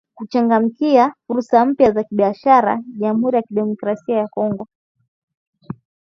Uganda kuchangamkia fursa mpya za kibiashara Jamhuri ya Kidemocrasia ya Kongo